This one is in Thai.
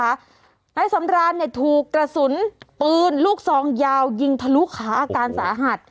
นายสำรานเนี่ยถูกกระสุนปืนลูกซองยาวยิงทะลุขาอาการสาหัส